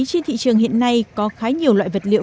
trên thị trường hiện nay có khá nhiều loại vật liệu